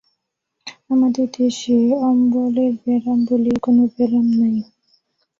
আমাদের দেশে অম্বলের ব্যারাম বলিয়া কোন ব্যারাম নাই।